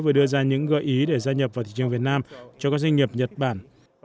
vừa đưa ra những gợi ý để gia nhập vào thị trường việt nam cho các doanh nghiệp nhật bản